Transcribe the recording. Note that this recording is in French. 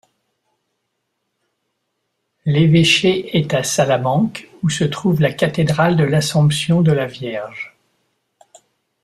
L'évêché est à Salamanque où se trouve la cathédrale de l'Assomption de la Vierge.